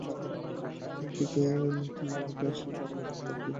এদিকে নূতন বাড়িতে আসিয়া কুমুদ আর থিয়েটারে যায় না।